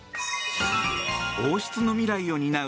王室の未来を担う